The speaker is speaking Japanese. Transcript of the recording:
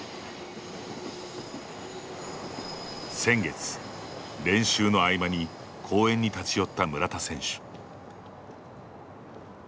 先月、練習の合間に公園に立ち寄った村田選手。